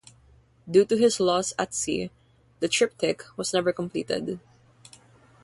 Due to his loss at sea, the triptych was never completed.